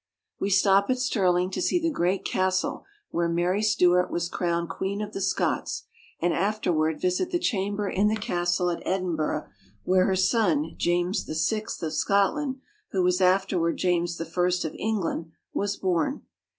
We stop at Stirling to see the great castle where Mary Stuart was crowned queen of the Scots, and afterward visit the chamber in the castle at Edinburgh where her son, James VI of Scotland, who was afterward James I of England, was born.